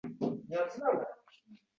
Balki men o’zim ham sen bo’lib oldim.